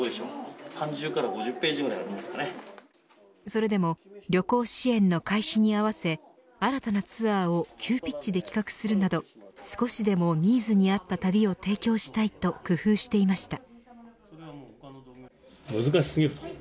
それでも旅行支援の開始に合わせ新たなツアーを急ピッチで企画するなど少しでもニーズに合った旅を提供したいと工夫していました。